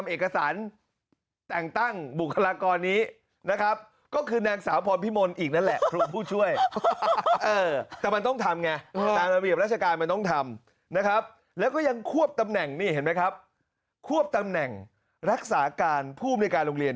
โอ้โฮเห็นใจเลยน่ะโอ๊ย